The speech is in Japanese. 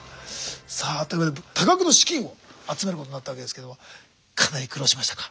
さあというわけで多額の資金を集めることになったわけですけどもかなり苦労しましたか？